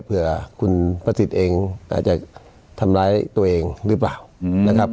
เผื่อคุณประสิทธิ์เองอาจจะทำร้ายตัวเองหรือเปล่านะครับ